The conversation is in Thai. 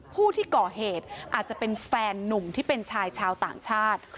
ผู้ที่ก่อเหตุอาจจะเป็นแฟนนุ่มที่เป็นชายชาวต่างชาติ